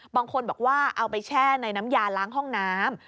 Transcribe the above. บางคนบอกว่าเอาไปแช่ในน้ำยาล้างห้องน้ำ